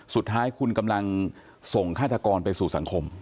สุดท้ายคุณกำลังส่งฆาตกรไปสู่สังคม